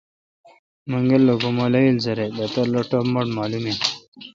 منگل کو مہ لییل زرہ۔ دھتر لو ٹپ مٹھ مالوم ان